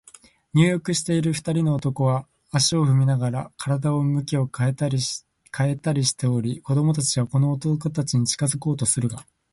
入浴している二人の男は、足を踏みならしたり、身体を向き変えたりしており、子供たちはこの男たちに近づこうとするが、